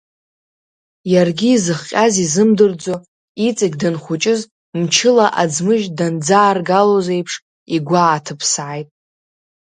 Иаргьы изыхҟьаз изымдырӡо, иҵегь данхәыҷыз мчыла аӡмыжь данӡааргалоз еиԥш, игәы ааҭыԥсааит.